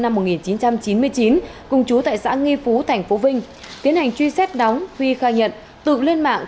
năm một nghìn chín trăm chín mươi chín cùng chú tại xã nghi phú tp vinh tiến hành truy xét đóng huy khai nhận tự lên mạng